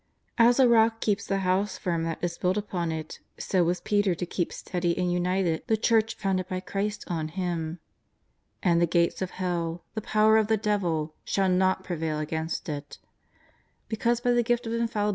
As a rock keeps the house firm that is built upon it, so was Peter to keep steady and united the Church founded by Christ on him. And the gates of hell — the power of the devil — shall not prevail against it. Because by the gift of infalli 258 JESUS OF NAZARETH.